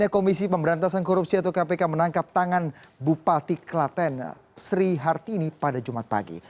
komisi pemberantasan korupsi atau kpk menangkap tangan bupati klaten sri hartini pada jumat pagi